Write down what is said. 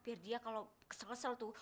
biar dia kalau kesel kesel tuh